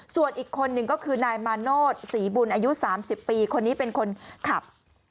ส่วนอีกคนนึงก็คือนายมาโนธศรีบุญอายุ๓๐ปีคนนี้เป็นคนขับ